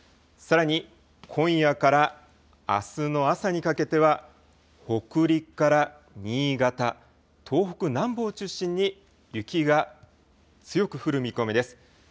さらに、今夜からあすの朝にかけては北陸から新潟、東北南部を中心に雪が強く降る見込みです。